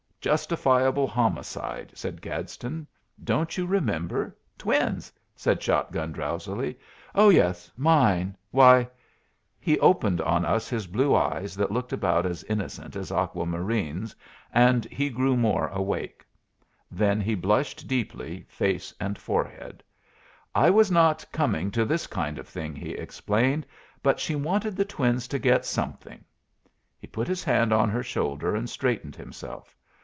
"Justifiable homicide," said Gadsden. "Don't you remember?" "Twins?" said Shotgun, drowsily. "Oh yes, mine. Why " He opened on us his blue eyes that looked about as innocent as Aqua Marine's, and he grew more awake. Then he blushed deeply, face and forehead. "I was not coming to this kind of thing," he explained. "But she wanted the twins to get something." He put his hand on her shoulder and straightened himself.